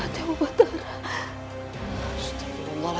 jaga dewa batara